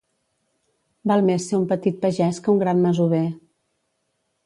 Val més ser un petit pagès que un gran masover.